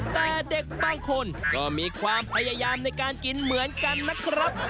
แต่เด็กบางคนก็มีความพยายามในการกินเหมือนกันนะครับ